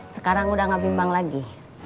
sekarang udah gak bimbang lagi